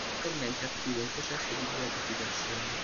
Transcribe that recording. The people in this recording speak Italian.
Attualmente è attivo un processo di beatificazione.